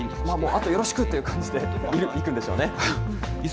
あとよろしくということで、行くんでしょうね。